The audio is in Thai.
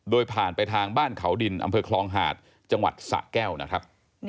โดยผ่านไปทางบ้านเขาดินอำเภอคลองหาดจังหวัดสะแก้วนะครับ